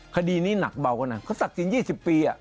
คดีนี้หนักเบากันนะเขาศักดิ์สิน๒๐ปี